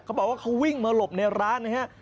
เขาบอกว่าเขาวิ่งมาหลบในร้านนะฮะ